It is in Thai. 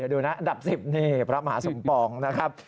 ดูนะอันดับ๑๐นี่พระมหาสมปองนะครับ